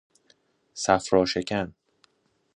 صفرا شکن